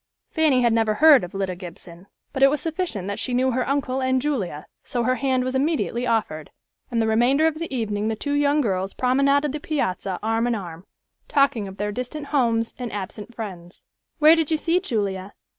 Fanny had never heard of Lida Gibson, but it was sufficient that she knew her uncle and Julia, so her hand was immediately offered, and the remainder of the evening the two young girls promenaded the piazza arm in arm, talking of their distant homes and absent friends. "Where did you see Julia?"